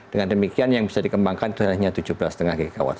dengan demikian yang bisa dikembangkan itu hanya tujuh belas lima gw